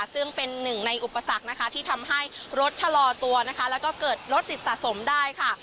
ซึ่งเป็นหนึ่งในอุปสรรคนะคะที่ทำให้รถชะลอตัวนะคะแล้วก็เกิดรถติดสะสมได้ค่ะ